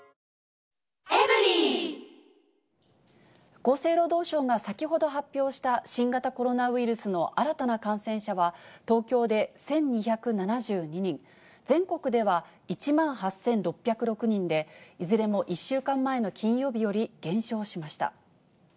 厚生労働省が先ほど発表した、新型コロナウイルスの新たな感染者は、東京で１２７２人、全国では１万８６０６人で、いずれも１週間前の金曜日より減少しました。